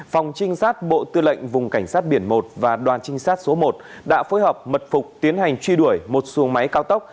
phòng trinh sát bộ tư lệnh vùng cảnh sát biển một và đoàn trinh sát số một đã phối hợp mật phục tiến hành truy đuổi một xuồng máy cao tốc